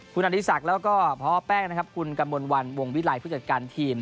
คุณอดีสัตว์แล้วก็พแป๊งคุณกำบลวร์วงวิลัยผู้จัดการทีม